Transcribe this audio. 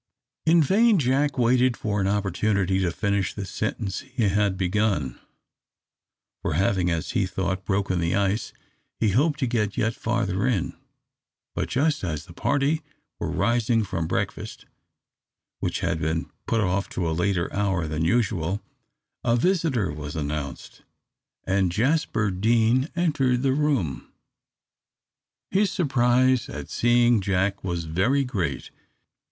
In vain Jack waited for an opportunity to finish the sentence he had begun, for having, as he thought, broken the ice, he hoped to get yet farther in, but just as the party were rising from breakfast, which had been put off to a later hour than usual, a visitor was announced, and Jasper Deane entered the room. His surprise at seeing Jack was very great.